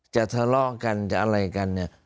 ทะเลาะกันจะอะไรกันเนี่ย